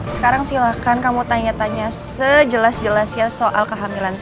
sekarang silahkan kamu tanya tanya sejelas jelasnya soal kehamilan saya